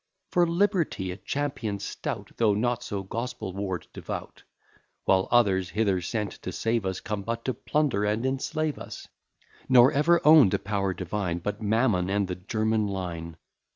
For liberty a champion stout, Though not so Gospel ward devout. While others, hither sent to save us Come but to plunder and enslave us; Nor ever own'd a power divine, But Mammon, and the German line.